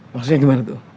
maksudnya gimana tuh